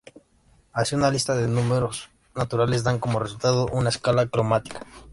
Así una lista de números naturales dan como resultado una escala cromática.